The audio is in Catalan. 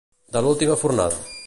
De l'última fornada.